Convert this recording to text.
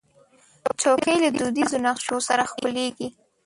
چوکۍ له دودیزو نقشو سره ښکليږي.